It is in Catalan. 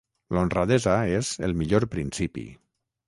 L'honradesa és el millor principi.